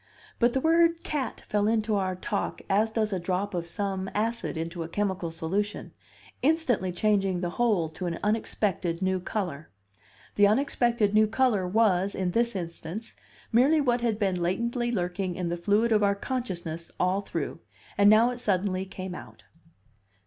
But the word "cat" fell into our talk as does a drop of some acid into a chemical solution, instantly changing the whole to an unexpected new color. The unexpected new color was, in this instance, merely what had been latently lurking in the fluid of our consciousness all through and now it suddenly came out.